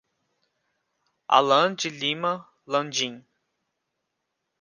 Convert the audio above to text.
Alan de Lima Landim